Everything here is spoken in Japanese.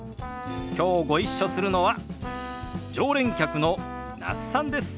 きょうご一緒するのは常連客の那須さんです。